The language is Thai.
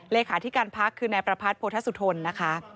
เลขาที่การภักษ์คือนายประพัฒน์โพธัศุทนนะคะ